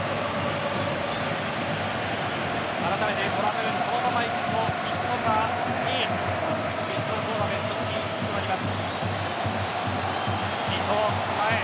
あらためて、この戦いこのままいくと日本が２位決勝トーナメント進出となります。